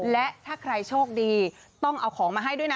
และถ้าใครโชคดีต้องเอาของมาให้ด้วยนะ